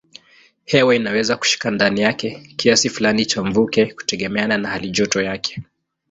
Hewa inaweza kushika ndani yake kiasi fulani cha mvuke kutegemeana na halijoto yake.